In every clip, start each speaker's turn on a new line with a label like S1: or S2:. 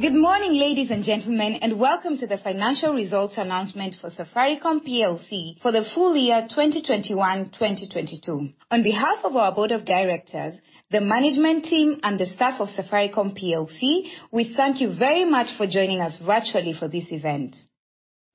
S1: Good morning, ladies and gentlemen, and welcome to the financial results announcement for Safaricom PLC for the full year 2021/2022. On behalf of our board of directors, the management team and the staff of Safaricom PLC, we thank you very much for joining us virtually for this event.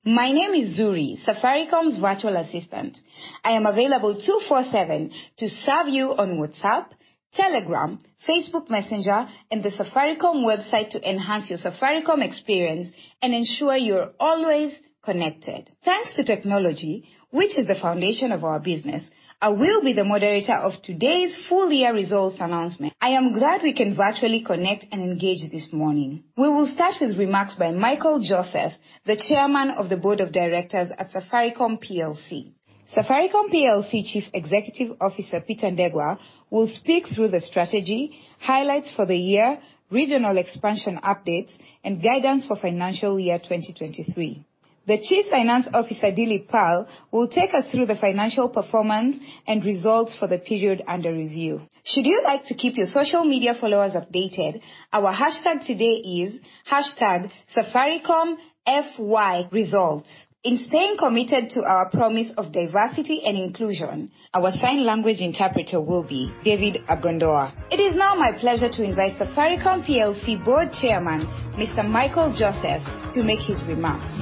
S1: My name is Zuri, Safaricom's virtual assistant. I am available 24/7 to serve you on WhatsApp, Telegram, Facebook Messenger, and the Safaricom website to enhance your Safaricom experience and ensure you're always connected. Thanks to technology, which is the foundation of our business, I will be the moderator of today's full year results announcement. I am glad we can virtually connect and engage this morning. We will start with remarks by Michael Joseph, the Chairman of the Board of Directors at Safaricom PLC. Safaricom PLC Chief Executive Officer, Peter Ndegwa, will speak through the strategy highlights for the year, regional expansion updates and guidance for financial year 2023. The Chief Finance Officer, Dilip Pal, will take us through the financial performance and results for the period under review. Should you like to keep your social media followers updated, our hashtag today is hashtag Safaricom FY Results. In staying committed to our promise of diversity and inclusion, our sign language interpreter will be David Agondoa. It is now my pleasure to invite Safaricom PLC Board Chairman, Mr. Michael Joseph, to make his remarks.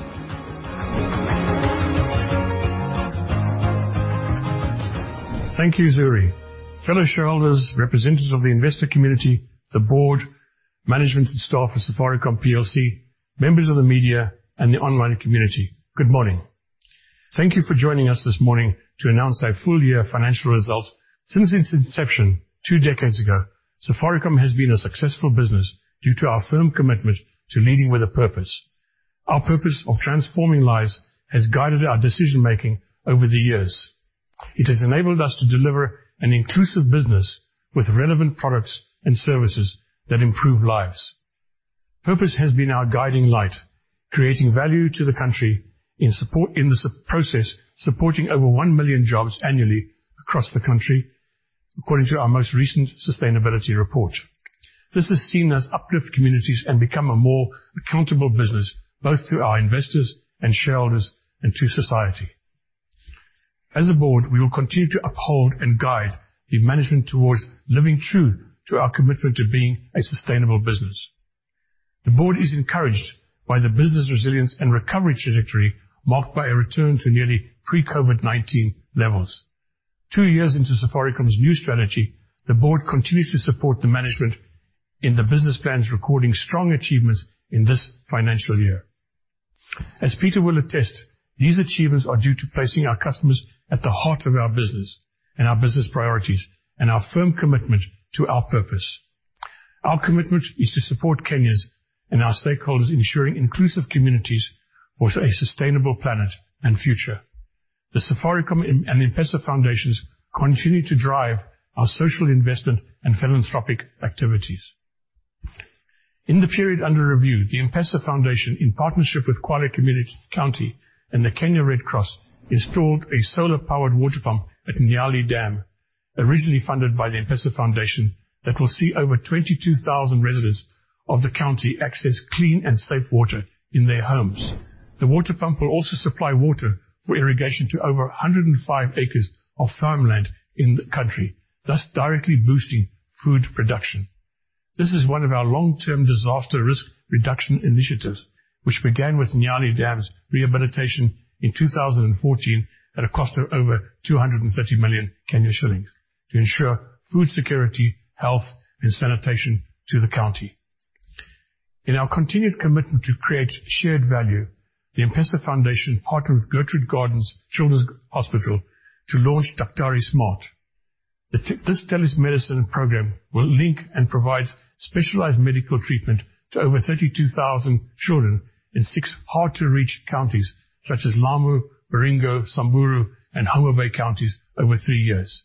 S2: Thank you, Zuri. Fellow shareholders, representatives of the investor community, the board, management and staff of Safaricom PLC, members of the media and the online community, good morning. Thank you for joining us this morning to announce our full year financial results. Since its inception two decades ago, Safaricom has been a successful business due to our firm commitment to leading with a purpose. Our purpose of transforming lives has guided our decision-making over the years. It has enabled us to deliver an inclusive business with relevant products and services that improve lives. Purpose has been our guiding light, creating value to the country in the process, supporting over 1 million jobs annually across the country, according to our most recent sustainability report. This has seen us uplift communities and become a more accountable business, both to our investors and shareholders and to society. As a board, we will continue to uphold and guide the management towards living true to our commitment to being a sustainable business. The board is encouraged by the business resilience and recovery trajectory marked by a return to nearly pre-COVID-19 levels. Two years into Safaricom's new strategy, the board continues to support the management in the business plans, recording strong achievements in this financial year. As Peter will attest, these achievements are due to placing our customers at the heart of our business and our business priorities and our firm commitment to our purpose. Our commitment is to support Kenyans and our stakeholders, ensuring inclusive communities for a sustainable planet and future. The Safaricom and the M-PESA foundations continue to drive our social investment and philanthropic activities. In the period under review, the M-PESA Foundation, in partnership with Kwale County and the Kenya Red Cross, installed a solar-powered water pump at Nyalani Dam, originally funded by the M-PESA Foundation that will see over 22,000 residents of the county access clean and safe water in their homes. The water pump will also supply water for irrigation to over 105 acres of farmland in the county, thus directly boosting food production. This is one of our long-term disaster risk reduction initiatives, which began with Nyalani Dam's rehabilitation in 2014 at a cost of over 230 million shillings to ensure food security, health and sanitation to the county. In our continued commitment to create shared value, the M-PESA Foundation partnered with Gertrude's Children's Hospital to launch Daktari Smart. This telemedicine program will link and provide specialized medical treatment to over 32,000 children in six hard-to-reach counties such as Lamu, Baringo, Samburu and Homa Bay counties over three years.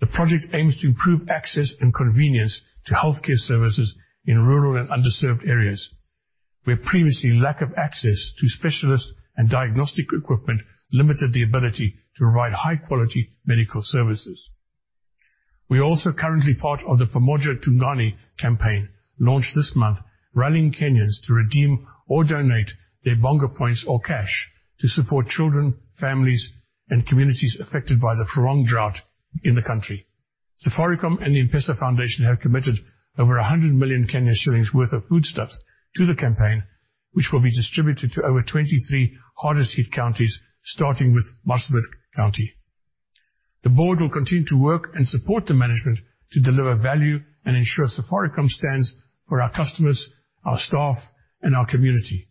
S2: The project aims to improve access and convenience to healthcare services in rural and underserved areas, where previously lack of access to specialists and diagnostic equipment limited the ability to provide high quality medical services. We are also currently part of the Pamoja Tuungane campaign launched this month, rallying Kenyans to redeem or donate their Bonga points or cash to support children, families and communities affected by the prolonged drought in the country. Safaricom and the M-PESA Foundation have committed over 100 million shillings worth of foodstuffs to the campaign, which will be distributed to over 23 hardest hit counties, starting with Marsabit County. The board will continue to work and support the management to deliver value and ensure Safaricom stands for our customers, our staff and our community.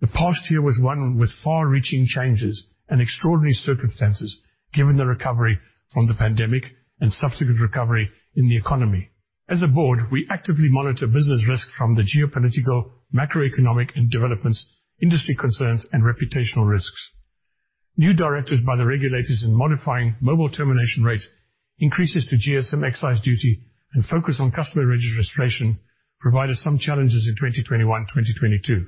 S2: The past year was one with far-reaching changes and extraordinary circumstances, given the recovery from the pandemic and subsequent recovery in the economy. As a board, we actively monitor business risk from the geopolitical, macroeconomic and developments, industry concerns and reputational risks. New directives by the regulators in modifying mobile termination rate increases to GSM excise duty and focus on customer registration provided some challenges in 2021, 2022.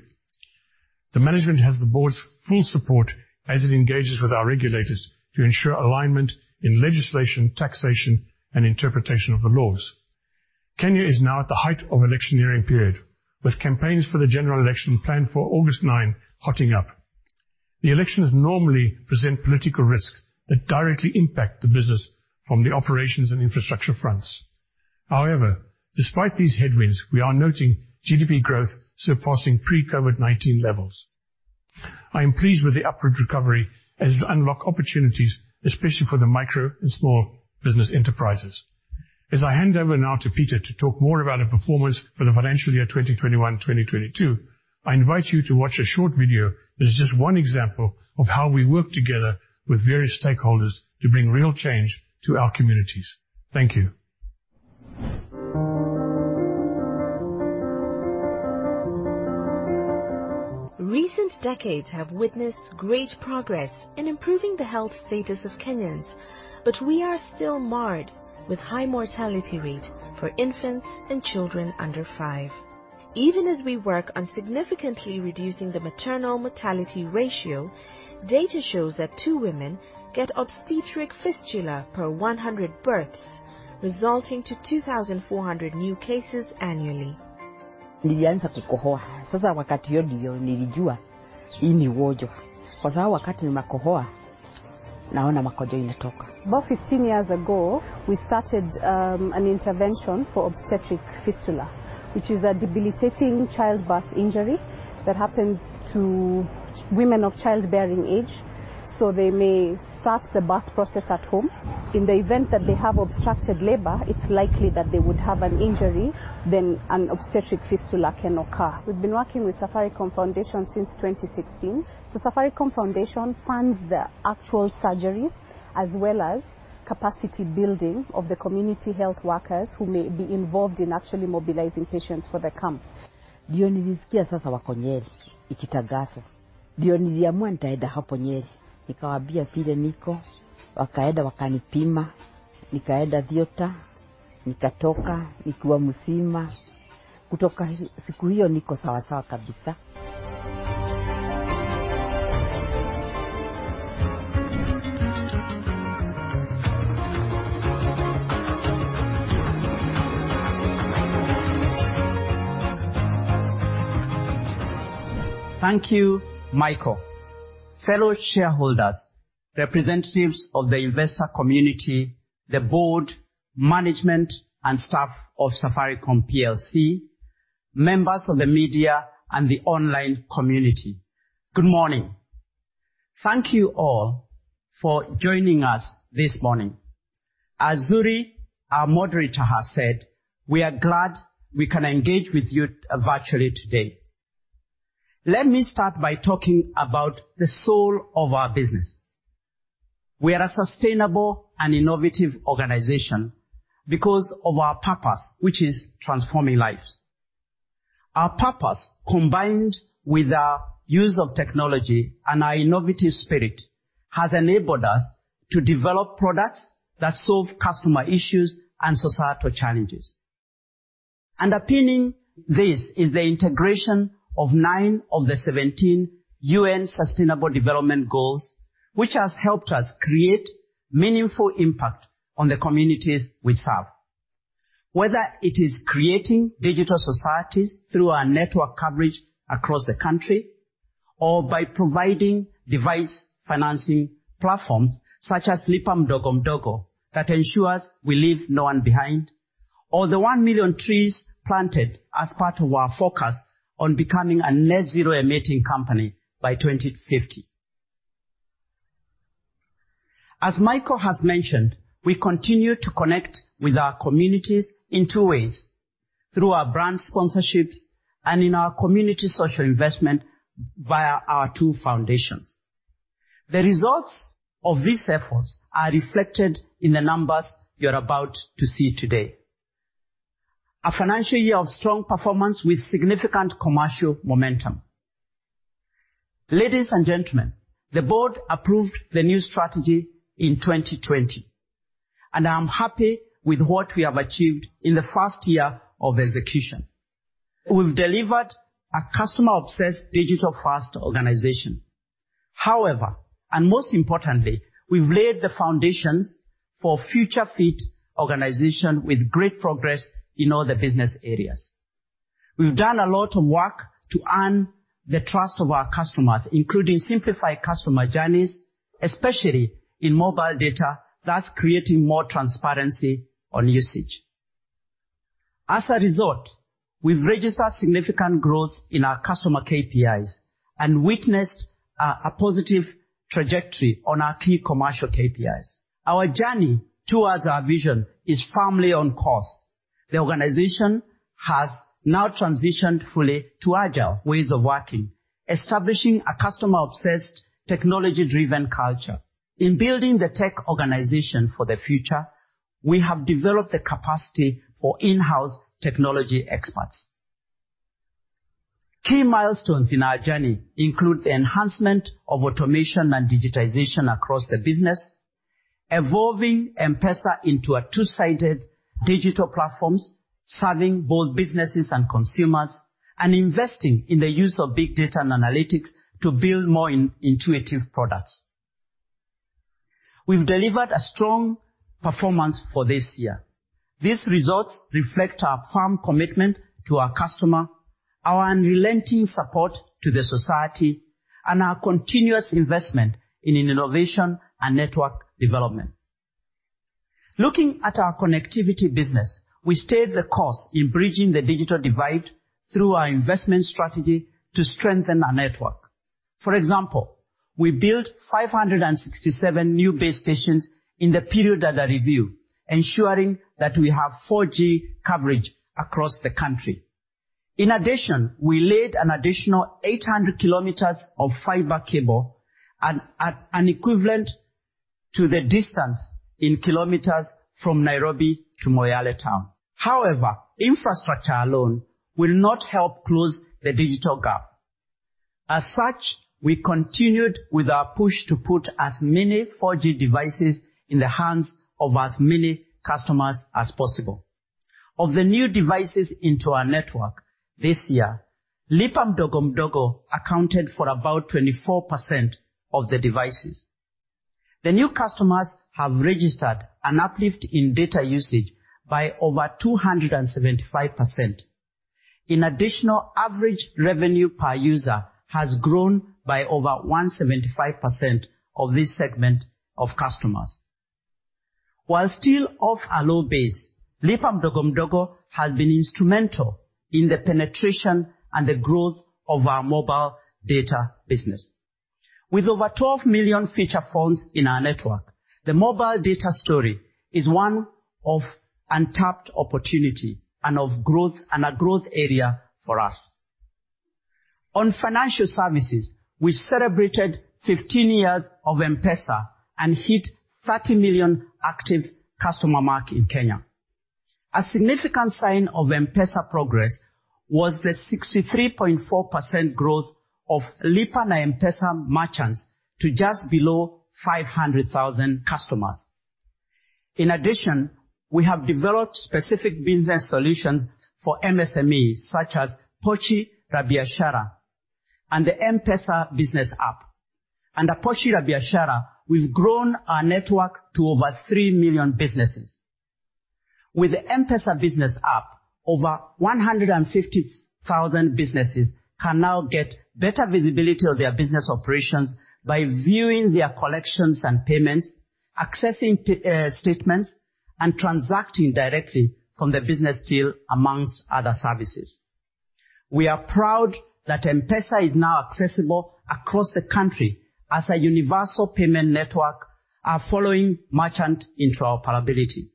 S2: The management has the board's full support as it engages with our regulators to ensure alignment in legislation, taxation, and interpretation of the laws. Kenya is now at the height of electioneering period, with campaigns for the general election planned for August 9 hotting up. The elections normally present political risks that directly impact the business from the operations and infrastructure fronts. However, despite these headwinds, we are noting GDP growth surpassing pre-COVID-19 levels. I am pleased with the upward recovery as we unlock opportunities, especially for the micro and small business enterprises. As I hand over now to Peter to talk more about our performance for the financial year 2021, 2022, I invite you to watch a short video that is just one example of how we work together with various stakeholders to bring real change to our communities. Thank you.
S3: Recent decades have witnessed great progress in improving the health status of Kenyans, but we are still marred with high mortality rate for infants and children under five. Even as we work on significantly reducing the maternal mortality ratio, data shows that 2 women get obstetric fistula per 100 births, resulting to 2,400 new cases annually.
S4: About 15 years ago, we started an intervention for obstetric fistula, which is a debilitating childbirth injury that happens to women of childbearing age. They may start the birth process at home. In the event that they have obstructed labor, it's likely that they would have an injury, then an obstetric fistula can occur. We've been working with Safaricom Foundation since 2016. Safaricom Foundation funds the actual surgeries as well as capacity building of the community health workers who may be involved in actually mobilizing patients for the camp.
S5: Thank you, Michael. Fellow shareholders, representatives of the investor community, the board, management, and staff of Safaricom PLC, members of the media, and the online community, good morning. Thank you all for joining us this morning. As Zuri, our moderator, has said, we are glad we can engage with you virtually today. Let me start by talking about the soul of our business. We are a sustainable and innovative organization because of our purpose, which is transforming lives. Our purpose, combined with our use of technology and our innovative spirit, has enabled us to develop products that solve customer issues and societal challenges. Underpinning this is the integration of nine of the seventeen UN Sustainable Development Goals, which has helped us create meaningful impact on the communities we serve. Whether it is creating digital societies through our network coverage across the country, or by providing device financing platforms such as Lipa Mdogo Mdogo that ensures we leave no one behind, or the 1 million trees planted as part of our focus on becoming a net-zero emitting company by 2050. As Michael has mentioned, we continue to connect with our communities in two ways, through our brand sponsorships and in our community social investment via our two foundations. The results of these efforts are reflected in the numbers you're about to see today. A financial year of strong performance with significant commercial momentum. Ladies and gentlemen, the board approved the new strategy in 2020, and I'm happy with what we have achieved in the first year of execution. We've delivered a customer-obsessed digital-first organization. However, and most importantly, we've laid the foundations for future fit organization with great progress in all the business areas. We've done a lot of work to earn the trust of our customers, including simplify customer journeys, especially in mobile data, thus creating more transparency on usage. As a result, we've registered significant growth in our customer KPIs and witnessed a positive trajectory on our key commercial KPIs. Our journey towards our vision is firmly on course. The organization has now transitioned fully to agile ways of working, establishing a customer-obsessed, technology-driven culture. In building the tech organization for the future, we have developed the capacity for in-house technology experts. Key milestones in our journey include the enhancement of automation and digitization across the business. Evolving M-PESA into a two-sided digital platform, serving both businesses and consumers, and investing in the use of big data and analytics to build more intuitive products. We've delivered a strong performance for this year. These results reflect our firm commitment to our customer, our unrelenting support to the society, and our continuous investment in innovation and network development. Looking at our connectivity business, we stayed the course in bridging the digital divide through our investment strategy to strengthen our network. For example, we built 567 new base stations in the period under review, ensuring that we have 4G coverage across the country. In addition, we laid an additional 800 km of fiber cable, an equivalent to the distance in kilometers from Nairobi to Moyale town. However, infrastructure alone will not help close the digital gap. As such, we continued with our push to put as many 4G devices in the hands of as many customers as possible. Of the new devices into our network this year, Lipa Mdogo Mdogo accounted for about 24% of the devices. The new customers have registered an uplift in data usage by over 275%. In addition, average revenue per user has grown by over 175% of this segment of customers. While still off a low base, Lipa Mdogo Mdogo has been instrumental in the penetration and the growth of our mobile data business. With over 12 million feature phones in our network, the mobile data story is one of untapped opportunity and of growth and a growth area for us. On financial services, we celebrated 15 years of M-PESA and hit 30 million active customer mark in Kenya. A significant sign of M-PESA progress was the 63.4% growth of Lipa na M-PESA merchants to just below 500,000 merchants. In addition, we have developed specific business solutions for MSMEs such as Pochi la Biashara and the M-PESA Business App. Under Pochi la Biashara, we've grown our network to over 3 million businesses. With the M-PESA Business App, over 150,000 businesses can now get better visibility of their business operations by viewing their collections and payments, accessing statements, and transacting directly from the business wallet amongst other services. We are proud that M-PESA is now accessible across the country as a universal payment network. We're following merchant interoperability.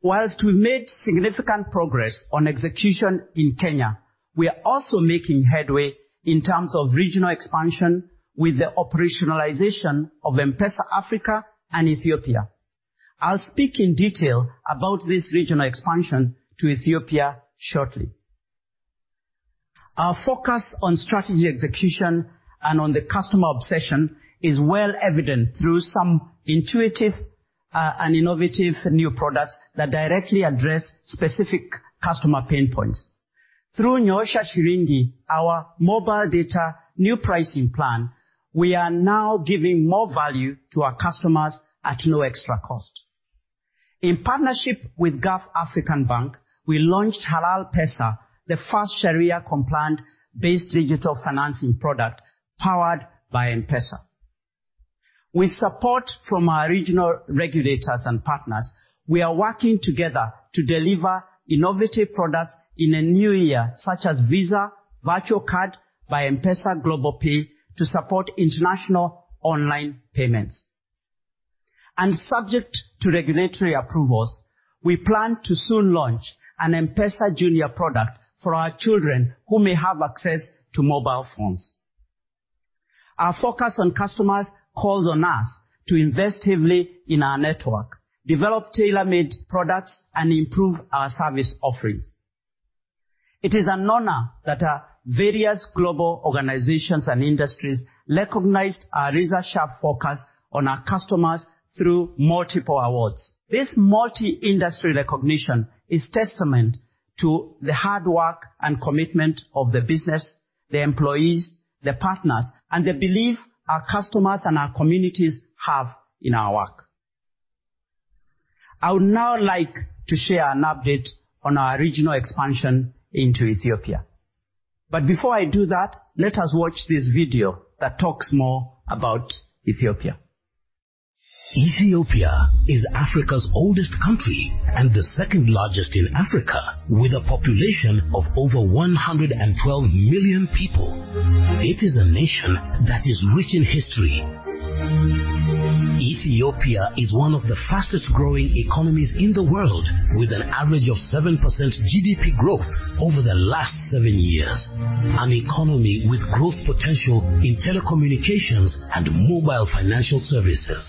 S5: While we've made significant progress on execution in Kenya, we are also making headway in terms of regional expansion with the operationalization of M-PESA Africa and Ethiopia. I'll speak in detail about this regional expansion to Ethiopia shortly. Our focus on strategy execution and on the customer obsession is well evident through some intuitive, and innovative new products that directly address specific customer pain points. Through Nyoosha Shilingi, our mobile data new pricing plan, we are now giving more value to our customers at no extra cost. In partnership with Gulf African Bank, we launched Halal Pesa, the first Sharia-compliant digital financing product powered by M-PESA. With support from our regional regulators and partners, we are working together to deliver innovative products in the new year, such as Visa Virtual Card by M-PESA GlobalPay, to support international online payments. Subject to regulatory approvals, we plan to soon launch an M-PESA Junior product for our children who may have access to mobile phones. Our focus on customers calls on us to invest heavily in our network, develop tailor-made products, and improve our service offerings. It is an honor that our various global organizations and industries recognized our razor-sharp focus on our customers through multiple awards. This multi-industry recognition is testament to the hard work and commitment of the business, the employees, the partners, and the belief our customers and our communities have in our work. I would now like to share an update on our regional expansion into Ethiopia. Before I do that, let us watch this video that talks more about Ethiopia.
S6: Ethiopia is Africa's oldest country and the second largest in Africa, with a population of over 112 million people. It is a nation that is rich in history. Ethiopia is one of the fastest-growing economies in the world, with an average of 7% GDP growth over the last 7 years. An economy with growth potential in telecommunications and mobile financial services.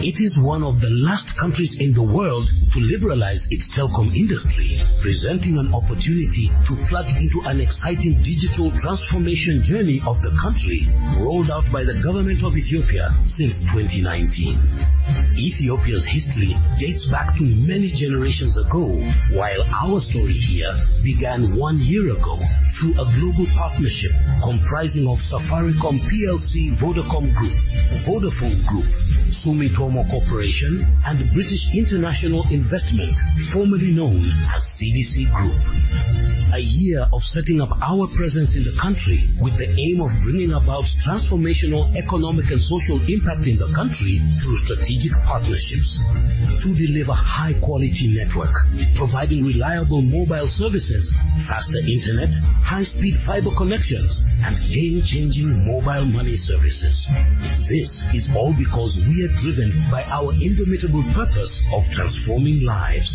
S6: It is one of the last countries in the world to liberalize its telecom industry, presenting an opportunity to plug into an exciting digital transformation journey of the country. Rolled out by the government of Ethiopia since 2019. Ethiopia's history dates back to many generations ago, while our story here began 1 year ago through a global partnership comprising of Safaricom PLC, Vodacom Group, Vodafone Group, Sumitomo Corporation, and British International Investment, formerly known as CDC Group. A year of setting up our presence in the country with the aim of bringing about transformational economic and social impact in the country through strategic partnerships to deliver high-quality network, providing reliable mobile services, faster internet, high-speed fiber connections, and game-changing mobile money services. This is all because we are driven by our indomitable purpose of transforming lives.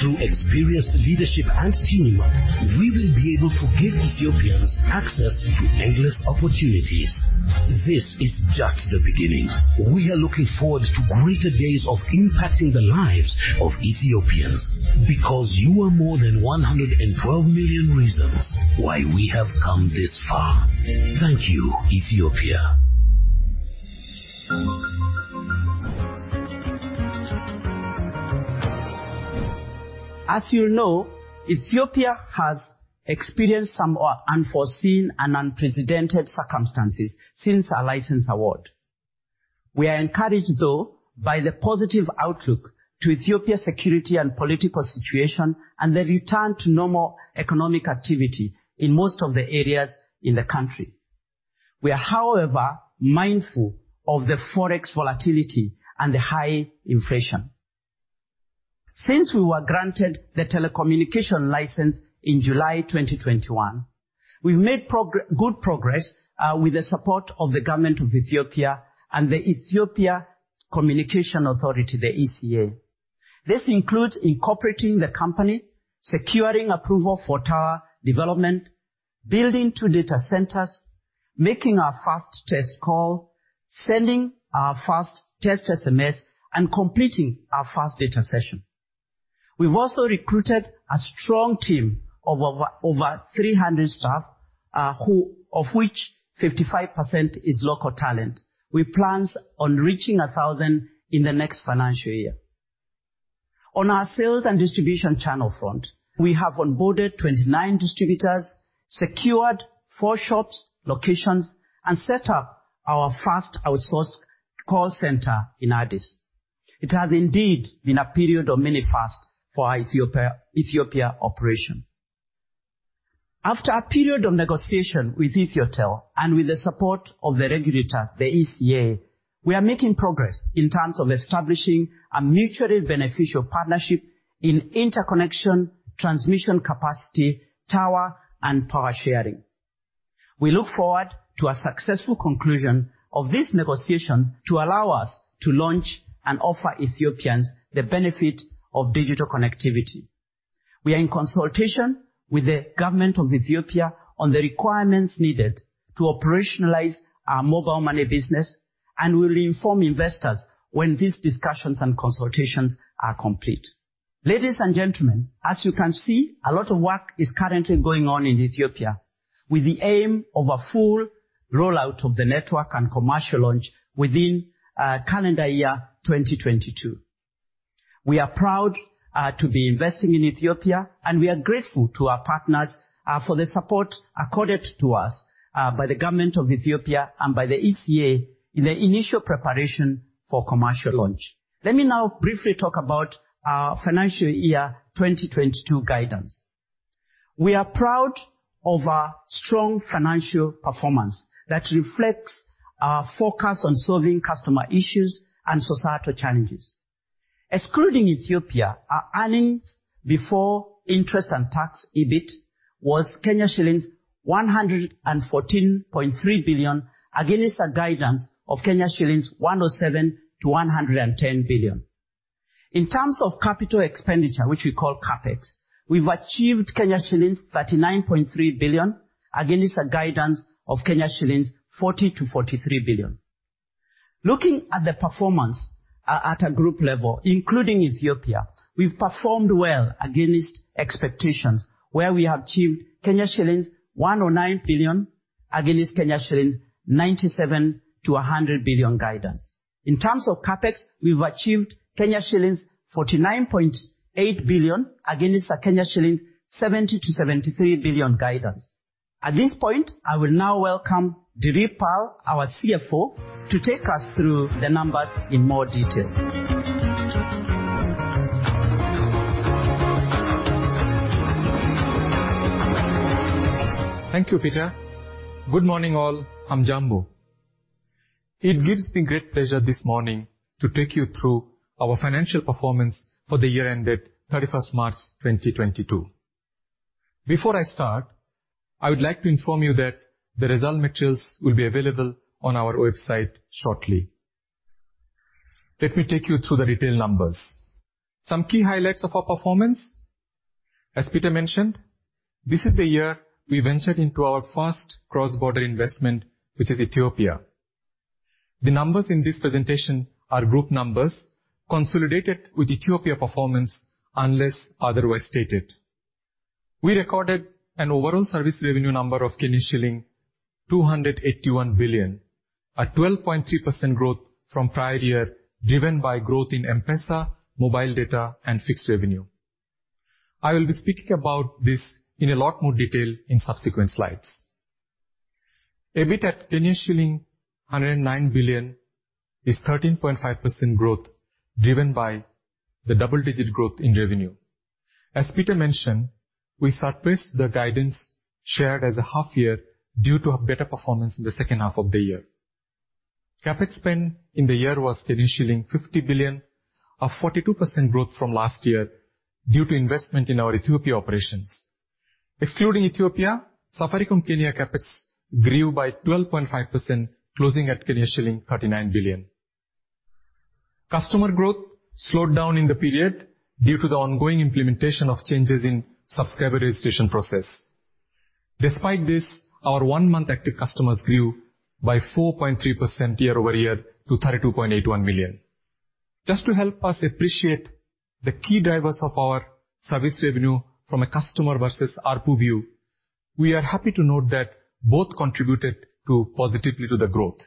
S6: Through experienced leadership and teamwork, we will be able to give Ethiopians access to endless opportunities. This is just the beginning. We are looking forward to greater days of impacting the lives of Ethiopians, because you are more than 112 million reasons why we have come this far. Thank you, Ethiopia.
S5: As you know, Ethiopia has experienced some unforeseen and unprecedented circumstances since our license award. We are encouraged, though, by the positive outlook to Ethiopia's security and political situation and the return to normal economic activity in most of the areas in the country. We are, however, mindful of the Forex volatility and the high inflation. Since we were granted the telecommunication license in July 2021, we've made good progress with the support of the government of Ethiopia and the Ethiopian Communications Authority, the ECA. This includes incorporating the company, securing approval for tower development, building two data centers, making our first test call, sending our first test SMS, and completing our first data session. We've also recruited a strong team of over 300 staff, who of which 55% is local talent. We plans on reaching 1,000 in the next financial year. On our sales and distribution channel front, we have onboarded 29 distributors, secured 4 shops locations, and set up our first outsourced call center in Addis. It has indeed been a period of many firsts for Ethiopia operation. After a period of negotiation with Ethio Telecom and with the support of the regulator, the ECA, we are making progress in terms of establishing a mutually beneficial partnership in interconnection, transmission capacity, tower, and power sharing. We look forward to a successful conclusion of this negotiation to allow us to launch and offer Ethiopians the benefit of digital connectivity. We are in consultation with the Government of Ethiopia on the requirements needed to operationalize our mobile money business and will inform investors when these discussions and consultations are complete. Ladies and gentlemen, as you can see, a lot of work is currently going on in Ethiopia with the aim of a full rollout of the network and commercial launch within calendar year 2022. We are proud to be investing in Ethiopia, and we are grateful to our partners for the support accorded to us by the Government of Ethiopia and by the ECA in the initial preparation for commercial launch. Let me now briefly talk about our financial year 2022 guidance. We are proud of our strong financial performance that reflects our focus on solving customer issues and societal challenges. Excluding Ethiopia, our earnings before interest and tax, EBIT, was shillings 114.3 billion against a guidance of shillings 107-110 billion. In terms of capital expenditure, which we call CapEx, we've achieved shillings 39.3 billion against a guidance of shillings 40-43 billion. Looking at the performance at a group level, including Ethiopia, we've performed well against expectations, where we achieved shillings 109 billion against shillings 97-100 billion guidance. In terms of CapEx, we've achieved shillings 49.8 billion against a shillings 70-73 billion guidance. At this point, I will now welcome Dilip Pal, our CFO, to take us through the numbers in more detail.
S7: Thank you, Peter. Good morning, all. Hamjambo. It gives me great pleasure this morning to take you through our financial performance for the year ended 31 March 2022. Before I start, I would like to inform you that the results materials will be available on our website shortly. Let me take you through the detailed numbers. Some key highlights of our performance. As Peter mentioned, this is the year we ventured into our first cross-border investment, which is Ethiopia. The numbers in this presentation are group numbers consolidated with Ethiopia performance unless otherwise stated. We recorded an overall service revenue number of Kenyan shilling 281 billion, a 12.3% growth from prior year, driven by growth in M-PESA, mobile data and fixed revenue. I will be speaking about this in a lot more detail in subsequent slides. EBIT at 109 billion shilling is 13.5% growth, driven by the double-digit growth in revenue. As Peter mentioned, we surpassed the guidance shared as a half year due to a better performance in the second half of the year. CapEx spend in the year was 50 billion, a 42% growth from last year due to investment in our Ethiopia operations. Excluding Ethiopia, Safaricom Kenya CapEx grew by 12.5% closing at shilling 39 billion. Customer growth slowed down in the period due to the ongoing implementation of changes in subscriber registration process. Despite this, our one-month active customers grew by 4.3% year-over-year to 32.81 million. Just to help us appreciate the key drivers of our service revenue from a customer versus ARPU view, we are happy to note that both contributed positively to the growth.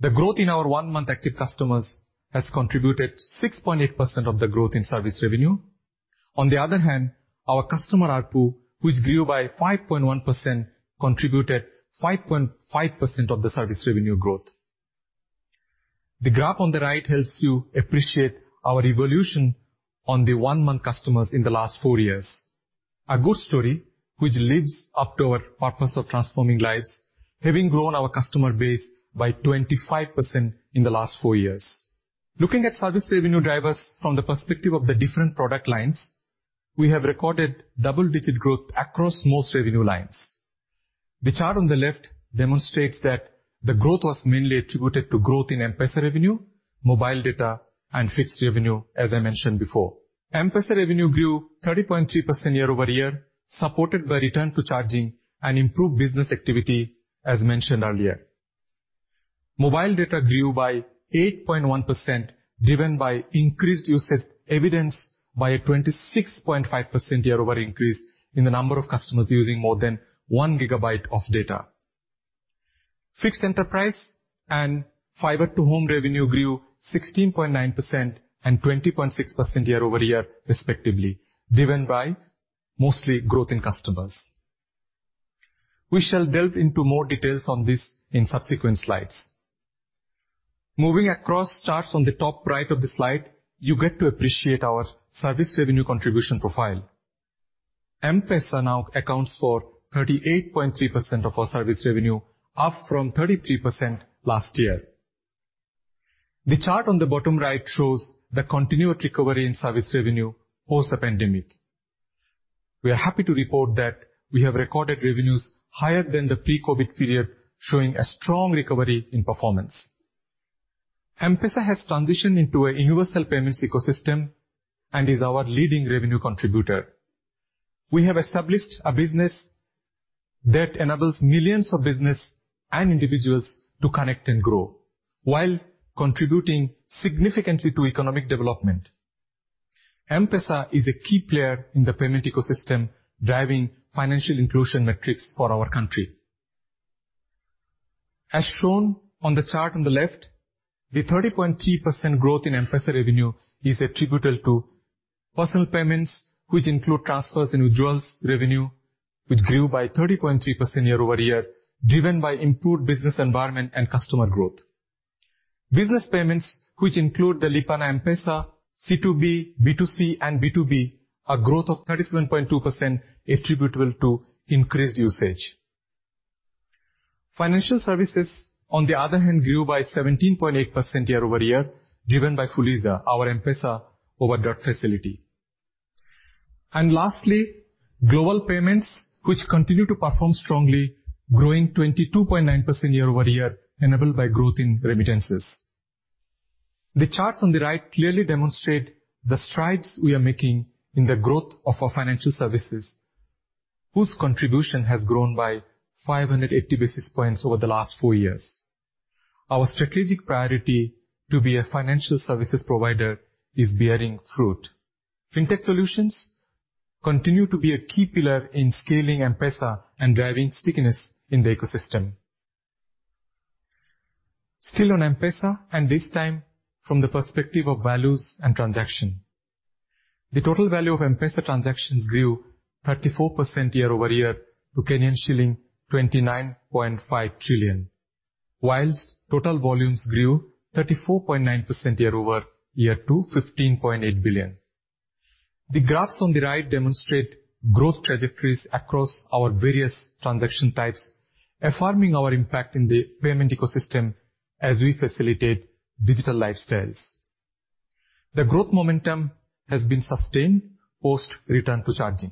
S7: The growth in our one-month active customers has contributed 6.8% of the growth in service revenue. On the other hand, our customer ARPU, which grew by 5.1%, contributed 5.5% of the service revenue growth. The graph on the right helps you appreciate our evolution on the one-month customers in the last four years. A good story which lives up to our purpose of transforming lives, having grown our customer base by 25% in the last four years. Looking at service revenue drivers from the perspective of the different product lines, we have recorded double-digit growth across most revenue lines. The chart on the left demonstrates that the growth was mainly attributed to growth in M-PESA revenue, mobile data and fixed revenue, as I mentioned before. M-PESA revenue grew 30.3% year-over-year, supported by return to charging and improved business activity, as mentioned earlier. Mobile data grew by 8.1%, driven by increased usage evidenced by a 26.5% year-over-year increase in the number of customers using more than 1 GB of data. Fixed enterprise and fiber to home revenue grew 16.9% and 20.6% year-over-year, respectively, driven by mostly growth in customers. We shall delve into more details on this in subsequent slides. Moving across charts on the top right of the slide, you get to appreciate our service revenue contribution profile. M-PESA now accounts for 38.3% of our service revenue, up from 33% last year. The chart on the bottom right shows the continued recovery in service revenue post the pandemic. We are happy to report that we have recorded revenues higher than the pre-COVID period, showing a strong recovery in performance. M-PESA has transitioned into a universal payments ecosystem and is our leading revenue contributor. We have established a business that enables millions of business and individuals to connect and grow while contributing significantly to economic development. M-PESA is a key player in the payment ecosystem, driving financial inclusion metrics for our country. As shown on the chart on the left, the 30.3% growth in M-PESA revenue is attributable to personal payments, which include transfers, withdrawals revenue, which grew by 30.3% year-over-year, driven by improved business environment and customer growth. Business payments, which include the Lipa na M-PESA, C2B, B2C, and B2B, a growth of 37.2% attributable to increased usage. Financial services, on the other hand, grew by 17.8% year-over-year, driven by Fuliza, our M-PESA overdraft facility. Lastly, global payments, which continue to perform strongly, growing 22.9% year-over-year, enabled by growth in remittances. The charts on the right clearly demonstrate the strides we are making in the growth of our financial services, whose contribution has grown by 580 basis points over the last four years. Our strategic priority to be a financial services provider is bearing fruit. Fintech solutions continue to be a key pillar in scaling M-PESA and driving stickiness in the ecosystem. Still on M-PESA, and this time from the perspective of values and transaction. The total value of M-PESA transactions grew 34% year-over-year to Kenyan shilling 29.5 trillion. While total volumes grew 34.9% year-over-year to 15.8 billion. The graphs on the right demonstrate growth trajectories across our various transaction types, affirming our impact in the payment ecosystem as we facilitate digital lifestyles. The growth momentum has been sustained post return to charging.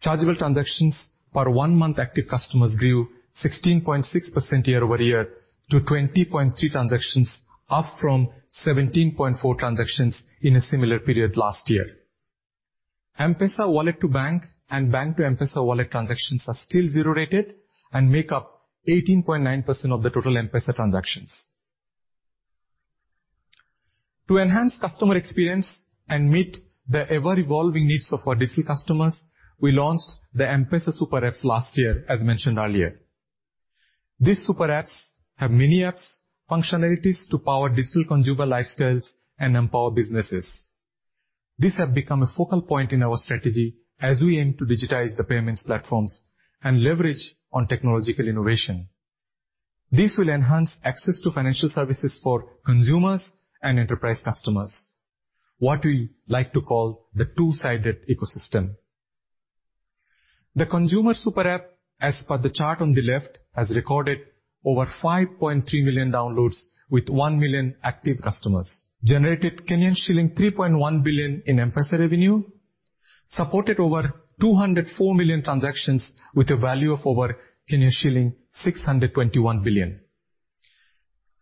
S7: Chargeable transactions for one month active customers grew 16.6% year-over-year to 20.3 transactions, up from 17.4 transactions in a similar period last year. M-PESA wallet to bank and bank to M-PESA wallet transactions are still zero-rated and make up 18.9% of the total M-PESA transactions. To enhance customer experience and meet the ever-evolving needs of our digital customers, we launched the M-PESA Super App last year, as mentioned earlier. These super apps have mini apps functionalities to power digital consumer lifestyles and empower businesses. These have become a focal point in our strategy as we aim to digitize the payments platforms and leverage on technological innovation. This will enhance access to financial services for consumers and enterprise customers. What we like to call the two-sided ecosystem. The M-PESA Super App, as per the chart on the left, has recorded over 5.3 million downloads with 1 million active customers, generated Kenyan shilling 3.1 billion in M-PESA revenue, supported over 204 million transactions with a value of over shilling 621 billion.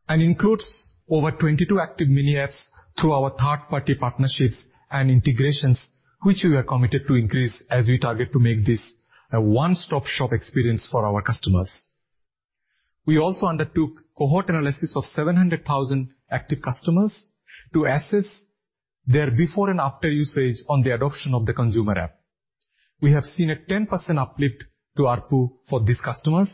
S7: Includes over 22 active mini apps through our third-party partnerships and integrations, which we are committed to increase as we target to make this a one-stop-shop experience for our customers. We also undertook cohort analysis of 700,000 active customers to assess their before and after usage on the adoption of the M-PESA Super App. We have seen a 10% uplift to ARPU for these customers,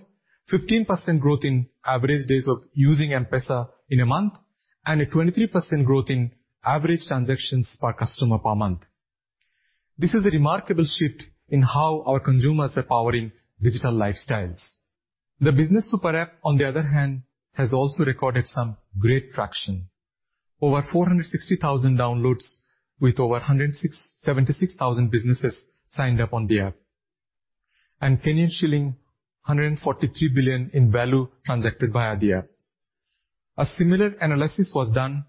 S7: 15% growth in average days of using M-PESA in a month, and a 23% growth in average transactions per customer per month. This is a remarkable shift in how our consumers are powering digital lifestyles. The business super app, on the other hand, has also recorded some great traction. Over 460,000 downloads with over 176,000 businesses signed up on the app. Kenyan shilling 143 billion in value transacted via the app. A similar analysis was done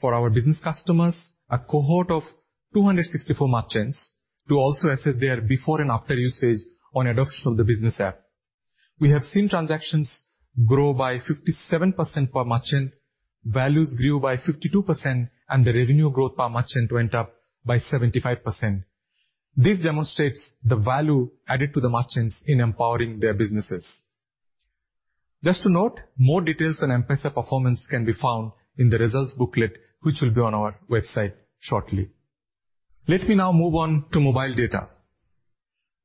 S7: for our business customers, a cohort of 264 merchants, to also assess their before and after usage on adoption of the business app. We have seen transactions grow by 57% per merchant, values grew by 52%, and the revenue growth per merchant went up by 75%. This demonstrates the value added to the merchants in empowering their businesses. Just to note, more details on M-PESA performance can be found in the results booklet, which will be on our website shortly. Let me now move on to mobile data.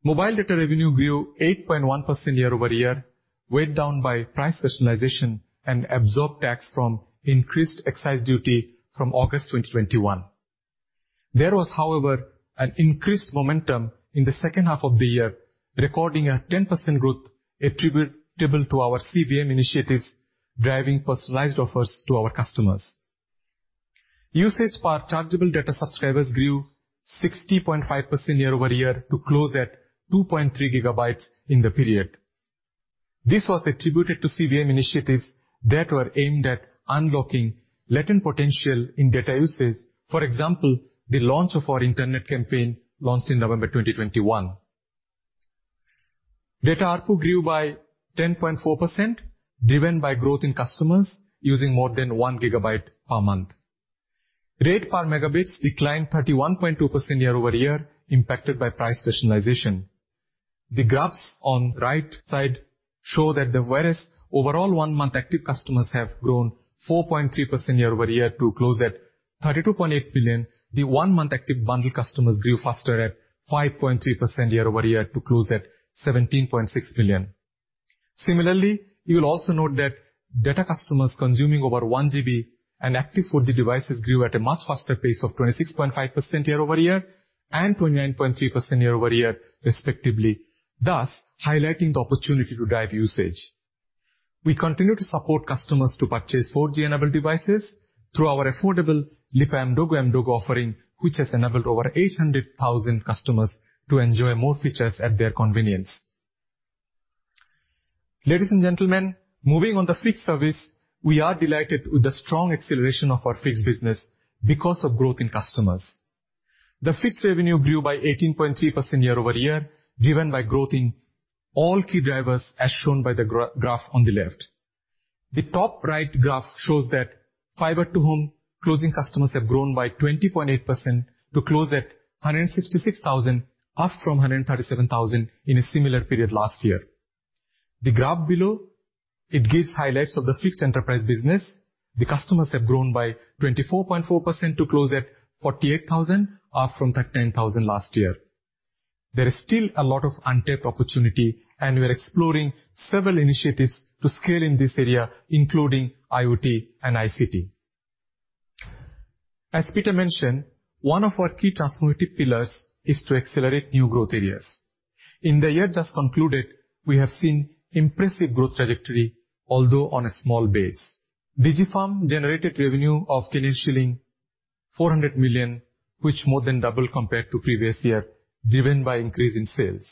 S7: Mobile data revenue grew 8.1% year-over-year, weighed down by price personalization and absorbed tax from increased excise duty from August 2021. There was, however, an increased momentum in the second half of the year, recording a 10% growth attributable to our CVM initiatives, driving personalized offers to our customers. Usage per chargeable data subscribers grew 60.5% year-over-year to close at 2.3 GB in the period. This was attributed to CVM initiatives that were aimed at unlocking latent potential in data usage. For example, the launch of our internet campaign launched in November 2021. Data ARPU grew by 10.4%, driven by growth in customers using more than one gigabyte per month. Rate per megabits declined 31.2% year-over-year, impacted by price rationalization. The graphs on right side show that whereas overall one-month active customers have grown 4.3% year-over-year to close at 32.8 million. The one-month active bundle customers grew faster at 5.3% year-over-year to close at 17.6 million. Similarly, you will also note that data customers consuming over one GB and active 4G devices grew at a much faster pace of 26.5% year-over-year and 29.3% year-over-year, respectively, thus highlighting the opportunity to drive usage. We continue to support customers to purchase 4G enabled devices through our affordable Lipa Mdogo Mdogo offering, which has enabled over 800,000 customers to enjoy more features at their convenience. Ladies and gentlemen, moving on to fixed service, we are delighted with the strong acceleration of our fixed business because of growth in customers. The fixed revenue grew by 18.3% year-over-year, driven by growth in all key drivers, as shown by the graph on the left. The top right graph shows that fiber to home closing customers have grown by 20.8% to close at 166,000, up from 137,000 in a similar period last year. The graph below, it gives highlights of the fixed enterprise business. The customers have grown by 24.4% to close at 48,000, up from 39,000 last year. There is still a lot of untapped opportunity, and we are exploring several initiatives to scale in this area, including IoT and ICT. As Peter mentioned, one of our key transformative pillars is to accelerate new growth areas. In the year just concluded, we have seen impressive growth trajectory, although on a small base. DigiFarm generated revenue of Kenyan shilling 400 million, which more than double compared to previous year, driven by increase in sales.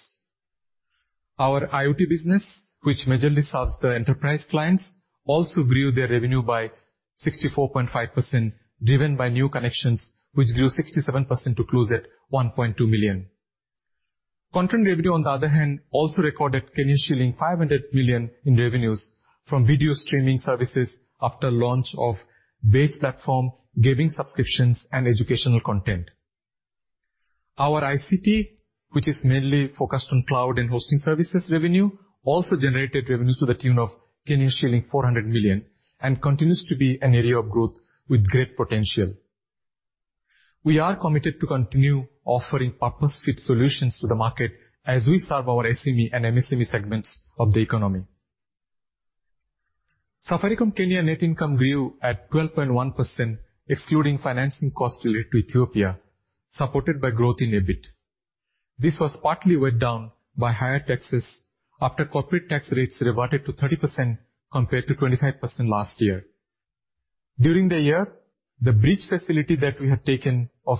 S7: Our IoT business, which majorly serves the enterprise clients, also grew their revenue by 64.5%, driven by new connections, which grew 67% to close at 1.2 million. Content revenue, on the other hand, also recorded Kenyan shilling 500 million in revenues from video streaming services after launch of Bonga platform, gaming subscriptions, and educational content. Our ICT, which is mainly focused on cloud and hosting services revenue, also generated revenues to the tune of shilling 400 million and continues to be an area of growth with great potential. We are committed to continue offering purpose-fit solutions to the market as we serve our SME and MSME segments of the economy. Safaricom Kenya net income grew at 12.1%, excluding financing costs related to Ethiopia, supported by growth in EBIT. This was partly weighed down by higher taxes after corporate tax rates reverted to 30% compared to 25% last year. During the year, the bridge facility that we have taken of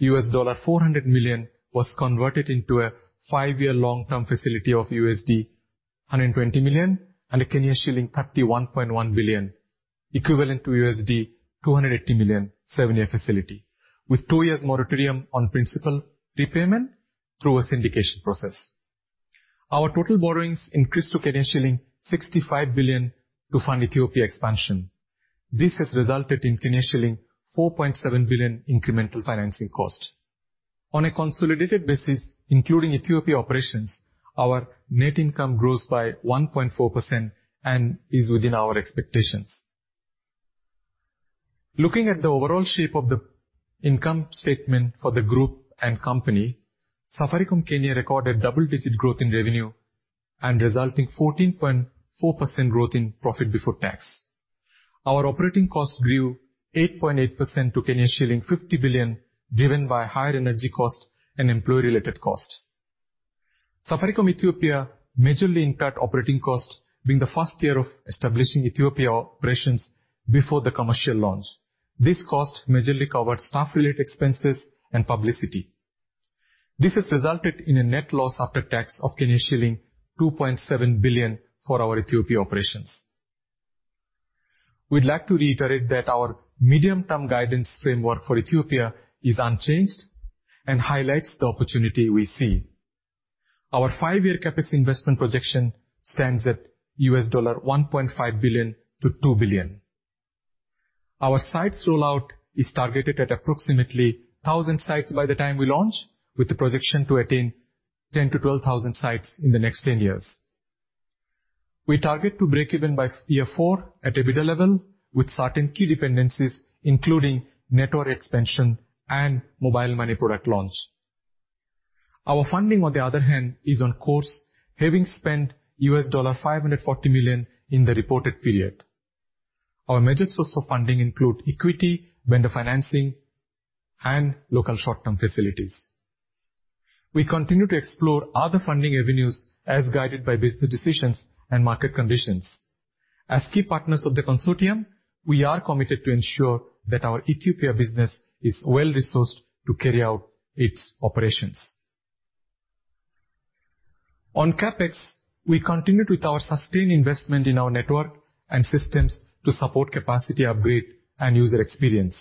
S7: $400 million was converted into a five-year long-term facility of $120 million and a Kenyan shilling 31.1 billion, equivalent to $280 million seven-year facility, with two years moratorium on principal repayment through a syndication process. Our total borrowings increased to shilling 65 billion to fund Ethiopia expansion. This has resulted in shilling 4.7 billion incremental financing cost. On a consolidated basis, including Ethiopia operations, our net income grows by 1.4% and is within our expectations. Looking at the overall shape of the income statement for the group and company, Safaricom Kenya recorded double-digit growth in revenue and resulting 14.4% growth in profit before tax. Our operating costs grew 8.8% to shilling 50 billion, driven by higher energy cost and employee-related cost. Safaricom Ethiopia majorly incurred operating cost being the first year of establishing Ethiopia operations before the commercial launch. This cost majorly covered staff-related expenses and publicity. This has resulted in a net loss after tax of shilling 2.7 billion for our Ethiopia operations. We'd like to reiterate that our medium-term guidance framework for Ethiopia is unchanged and highlights the opportunity we see. Our five-year CapEx investment projection stands at $1.5 billion-$2 billion. Our sites rollout is targeted at approximately 1,000 sites by the time we launch, with the projection to attain 10,000-12,000 sites in the next 10 years. We target to break even by year 4 at EBITDA level with certain key dependencies, including network expansion and mobile money product launch. Our funding, on the other hand, is on course, having spent $540 million in the reported period. Our major sources of funding include equity, vendor financing, and local short-term facilities. We continue to explore other funding avenues as guided by business decisions and market conditions. As key partners of the consortium, we are committed to ensure that our Ethiopia business is well-resourced to carry out its operations. On CapEx, we continued with our sustained investment in our network and systems to support capacity upgrade and user experience.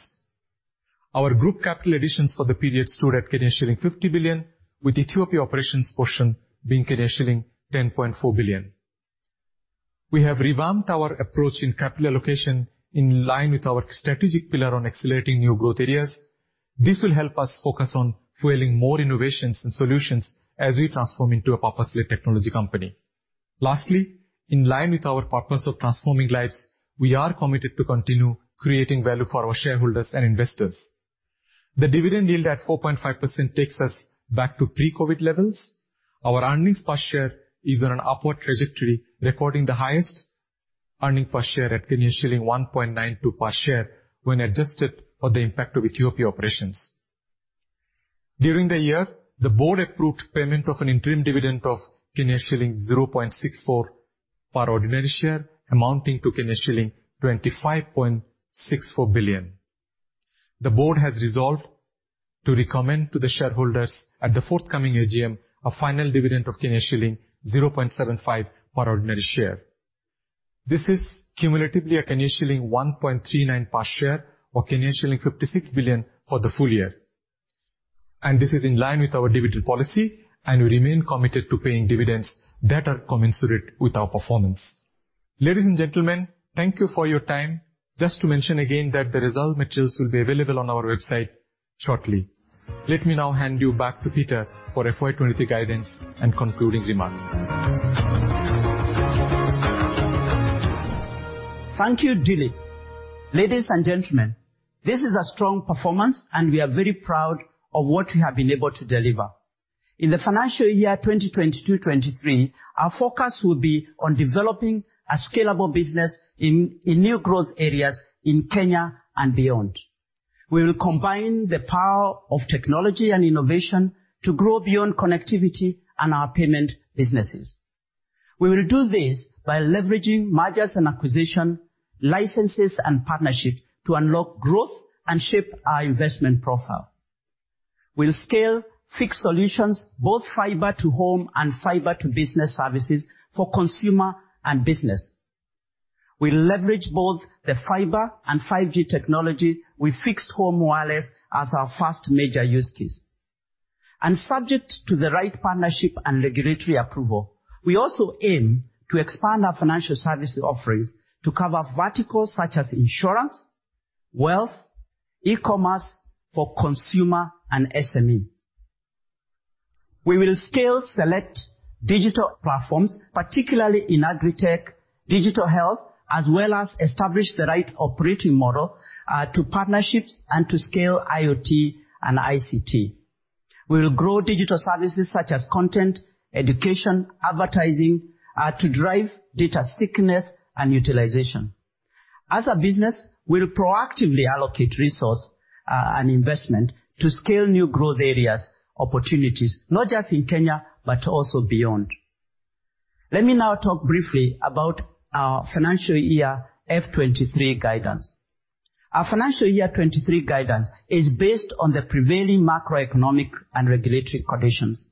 S7: Our group capital additions for the period stood at shilling 50 billion, with Ethiopia operations portion being shilling 10.4 billion. We have revamped our approach in capital allocation in line with our strategic pillar on accelerating new growth areas. This will help us focus on fueling more innovations and solutions as we transform into a purpose-led technology company. Lastly, in line with our purpose of transforming lives, we are committed to continue creating value for our shareholders and investors. The dividend yield at 4.5% takes us back to pre-COVID levels. Our earnings per share is on an upward trajectory, recording the highest earning per share at shilling 1.92 per share when adjusted for the impact of Ethiopia operations. During the year, the board approved payment of an interim dividend of shilling 0.64 per ordinary share, amounting to shilling 25.64 billion. The board has resolved to recommend to the shareholders at the forthcoming AGM a final dividend of shilling 0.75 per ordinary share. This is cumulatively a shilling 1.39 per share or shilling 56 billion for the full year. This is in line with our dividend policy, and we remain committed to paying dividends that are commensurate with our performance. Ladies and gentlemen, thank you for your time. Just to mention again that the result materials will be available on our website shortly. Let me now hand you back to Peter for FY 2023 guidance and concluding remarks.
S5: Thank you, Dilip. Ladies and gentlemen, this is a strong performance, and we are very proud of what we have been able to deliver. In the financial year 2022-23, our focus will be on developing a scalable business in new growth areas in Kenya and beyond. We will combine the power of technology and innovation to grow beyond connectivity and our payment businesses. We will do this by leveraging mergers and acquisition, licenses and partnerships to unlock growth and shape our investment profile. We'll scale fixed solutions, both fiber to home and fiber to business services for consumer and business. We leverage both the fiber and 5G technology with fixed home wireless as our first major use case. Subject to the right partnership and regulatory approval, we also aim to expand our financial services offerings to cover verticals such as insurance, wealth, e-commerce for consumer and SME. We will scale select digital platforms, particularly in agritech, digital health, as well as establish the right operating model to partnerships and to scale IoT and ICT. We will grow digital services such as content, education, advertising to drive data thickness and utilization. As a business, we'll proactively allocate resource and investment to scale new growth areas opportunities, not just in Kenya but also beyond. Let me now talk briefly about our financial year FY 2023 guidance. Our financial year 2023 guidance is based on the prevailing macroeconomic and regulatory conditions.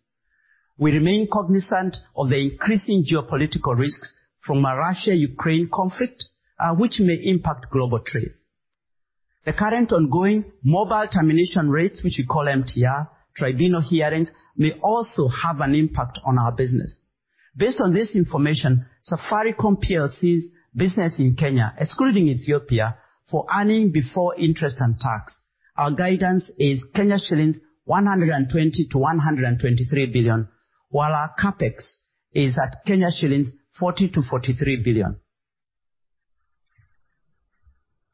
S5: We remain cognizant of the increasing geopolitical risks from a Russia-Ukraine conflict, which may impact global trade. The current ongoing Mobile Termination Rates, which we call MTR, tribunal hearings may also have an impact on our business. Based on this information, Safaricom PLC's business in Kenya, excluding Ethiopia, for earnings before interest and tax, our guidance is shillings 120-123 billion, while our CapEx is at shillings 40-43 billion.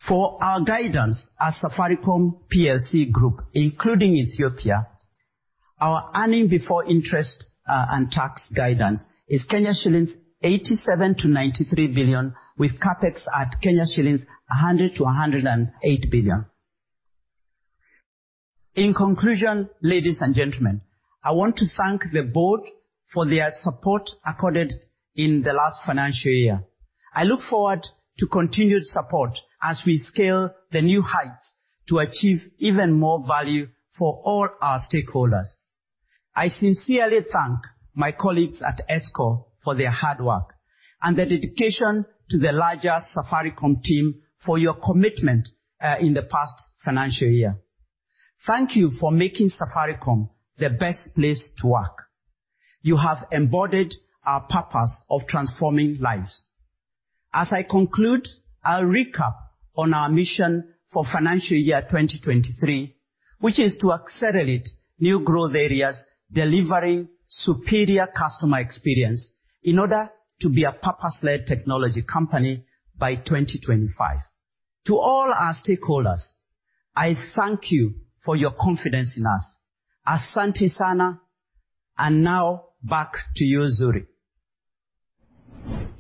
S5: For our guidance as Safaricom PLC Group, including Ethiopia, our earnings before interest and tax guidance is shillings 87-93 billion with CapEx at shillings 100-108 billion. In conclusion, ladies and gentlemen, I want to thank the board for their support accorded in the last financial year. I look forward to continued support as we scale the new heights to achieve even more value for all our stakeholders. I sincerely thank my colleagues at Safaricom for their hard work and their dedication to the larger Safaricom team for your commitment in the past financial year. Thank you for making Safaricom the best place to work. You have embodied our purpose of transforming lives. As I conclude, I'll recap on our mission for financial year 2023, which is to accelerate new growth areas, delivering superior customer experience in order to be a purpose-led technology company by 2025. To all our stakeholders, I thank you for your confidence in us. Asante sana. Now back to you, Zuri.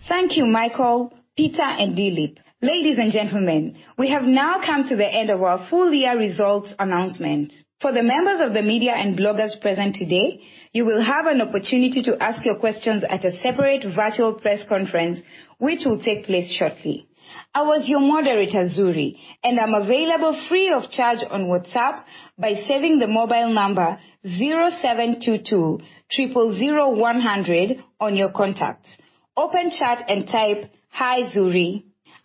S1: Thank you, Michael, Peter, and Dilip. Ladies and gentlemen, we have now come to the end of our full year results announcement. For the members of the media and bloggers present today, you will have an opportunity to ask your questions at a separate virtual press conference which will take place shortly. I was your moderator, Zuri, and I'm available free of charge on WhatsApp by saving the mobile number 0722 000 100 on your contacts. Open chat and type, "Hi, Zuri."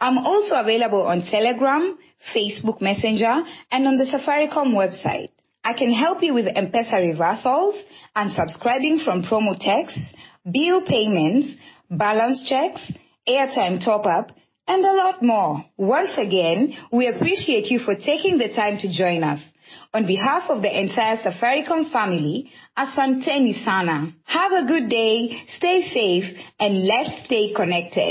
S1: I'm also available on Telegram, Facebook Messenger, and on the Safaricom website. I can help you with M-PESA reversals, unsubscribing from promo texts, bill payments, balance checks, airtime top-up, and a lot more. Once again, we appreciate you for taking the time to join us. On behalf of the entire Safaricom family, Asante sana. Have a good day, stay safe, and let's stay connected.